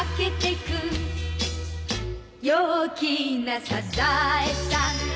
「陽気なサザエさん」